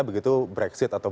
begitu brexit atau